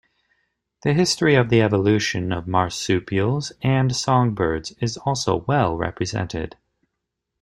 The history of the evolution of marsupials and songbirds is also well represented.